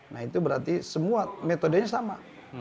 nah itu berarti semua metodenya sama